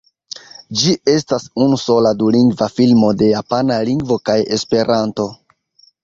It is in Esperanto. Ĝi estas unu sola dulingva filmo de japana lingvo kaj esperanto.